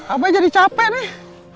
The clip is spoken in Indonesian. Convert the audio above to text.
abah jadi capek nih